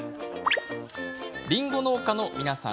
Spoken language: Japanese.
りんご農家の皆さん。